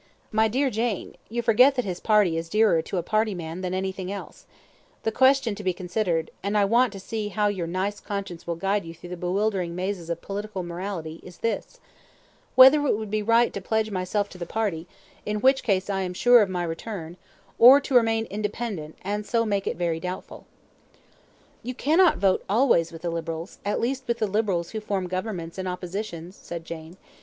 "My dear Jane, you forget that his party is dearer to a party man than anything else. The question to be considered and I want to see how your nice conscience will guide you through the bewildering mazes of political morality is this: Whether it would be right to pledge myself to the party, in which case I am sure of my return, or to remain independent, and so make it very doubtful," said Francis. "You cannot vote always with the Liberals at least with the Liberals who form governments and oppositions," said Jane.